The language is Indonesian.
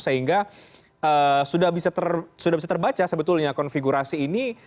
sehingga sudah bisa terbaca sebetulnya konfigurasi ini